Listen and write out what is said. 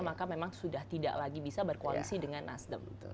maka memang sudah tidak lagi bisa berkoalisi dengan nasdem